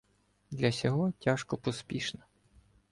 Для сього тяжко поспішна.